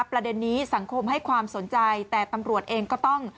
ประเด็นนี้สังคมให้ความสนใจแต่ตำรวจเองก็ต้อง